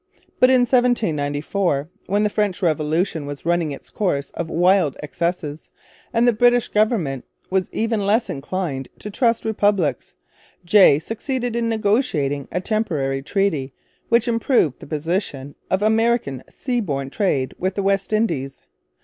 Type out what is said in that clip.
But in 1794, when the French Revolution was running its course of wild excesses, and the British government was even less inclined to trust republics, Jay succeeded in negotiating a temporary treaty which improved the position of American sea borne trade with the West Indies.